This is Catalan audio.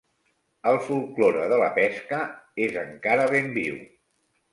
El folklore de la pesca és encara ben viu.